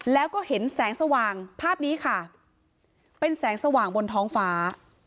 แล้วก็เห็นแสงสว่างภาพนี้ค่ะเป็นแสงสว่างบนท้องฟ้า